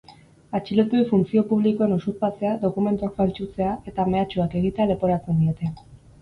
Atxilotuei funtzio publikoen usurpatzea, dokumentuak faltsutzea eta mehatxuak egitea leporatzen diete.